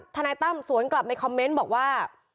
นายตั้มสวนกลับในคอมเมนต์บอกว่า